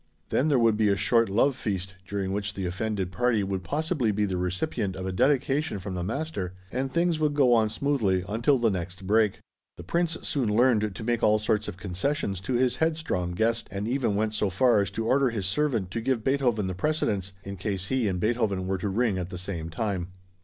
Then there would be a short love feast, during which the offended party would possibly be the recipient of a dedication from the master, and things would go on smoothly until the next break. The Prince soon learned to make all sorts of concessions to his headstrong guest, and even went so far as to order his servant to give Beethoven the precedence, in case he and Beethoven were to ring at the same time.